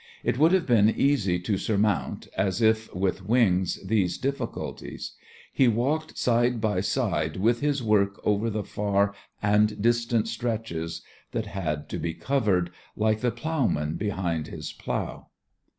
It would have been easy to surmount, as if with wings, these difficulties. He walked side by side with his work over the far and distant stretches that had to be covered, like the plough man behind his plough.